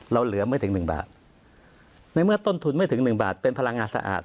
เราเหลือไม่ถึง๑บาทในเมื่อต้นทุนไม่ถึง๑บาทเป็นพลังงานสะอาด